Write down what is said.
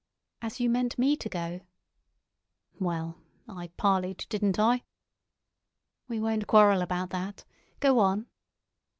"As you meant me to go?" "Well—I parleyed, didn't I?" "We won't quarrel about that. Go on."